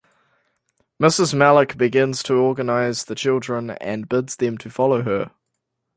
Mrs. Malik begins to organize the children and bids them to follow her.